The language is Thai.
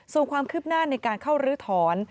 ความคืบหน้าในการเข้ารื้อถอน